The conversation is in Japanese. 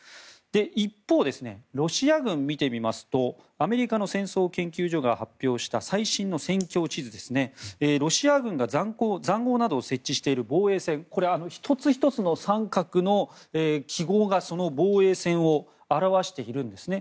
一方、ロシア軍を見てみますとアメリカの戦争研究所が発表した最新の戦況地図ですねロシア軍が塹壕などを設置している防衛線これ、１つ１つの三角の記号がその防衛線を表しているんですね。